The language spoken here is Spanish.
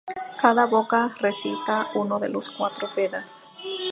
Cada boca recita uno de los cuatro "Vedas".